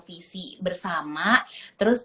visi bersama terus